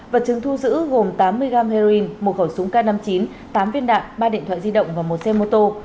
vật chứng thu giữ gồm tám mươi gram heroin một khẩu súng k năm mươi chín tám viên đạn ba điện thoại di động và một xe mô tô